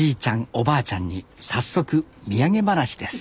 おばあちゃんに早速土産話です